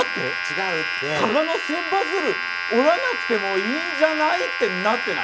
「加賀の千羽鶴折らなくてもいいんじゃない？」ってなってない？